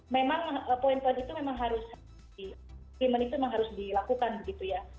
memang poin poin itu memang harus dilakukan begitu ya